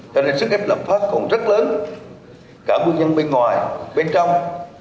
cho nên sức ép lập pháp còn rất lớn cả bưu nhân bên ngoài bên trong